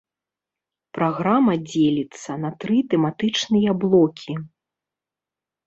Праграма дзеліцца на тры тэматычныя блокі.